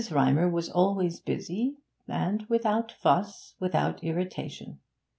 Rymer was always busy, and without fuss, without irritation.